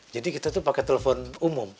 jadi kita tuh pake telepon umum